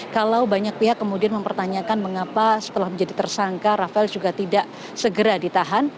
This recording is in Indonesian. kalau banyak pihak kemudian mempertanyakan mengapa setelah menjadi tersangka rafael juga tidak segera ditahan